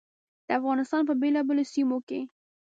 د افغانستان په بېلابېلو سیمو کې.